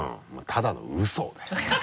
ただのウソだよね。